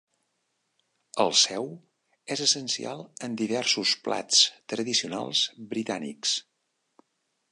El sèu és essencial en diversos plats tradicionals britànics.